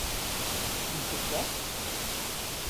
Il fait froid ?